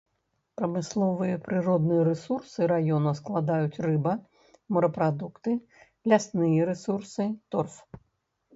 Прамысловыя прыродныя рэсурсы раёна складаюць рыба, морапрадукты, лясныя рэсурсы, торф.